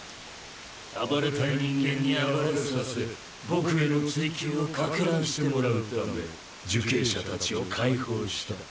暴れたい人間に暴れさせ僕への追及を撹乱してもらうため受刑者達を解放した。